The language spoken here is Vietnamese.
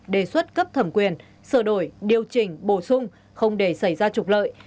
đề xuất cấp thẩm quyền sửa đổi điều chỉnh bổ sung không để xảy ra trục lợi